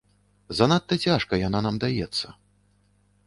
Занадта цяжка яна нам даецца.